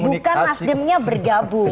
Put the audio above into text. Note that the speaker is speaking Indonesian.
bukan nasdemnya bergabung